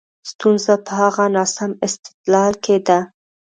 ستونزه په هغه ناسم استدلال کې ده.